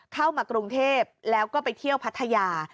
เข้ามากรุงเทพแล้วก็ไปเที่ยวพัทยา